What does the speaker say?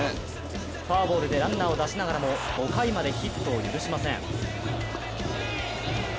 フォアボールでランナーを出しながらも５回までヒットを許しません。